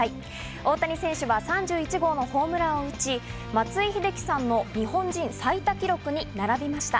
大谷選手は３１号のホームランを打ち、松井秀喜さんの日本人最多記録に並びました。